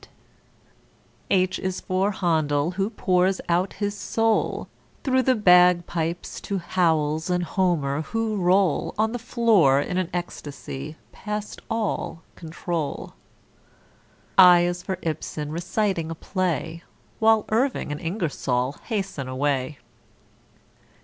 =H= is for =H=andel, who pours out his soul Through the bagpipes to =H=owells and =H=omer, who roll On the floor in an ecstasy past all control. =I= is for =I=bsen, reciting a play While =I=rving and =I=ngersoll hasten away.